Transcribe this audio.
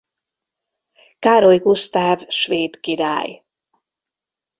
Károly Gusztáv svéd király.